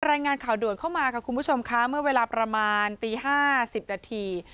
รายงานข่าวด่วนเข้ามาค่ะคุณผู้ชมค่ะเมื่อเวลาประมาณตี๕๐นาที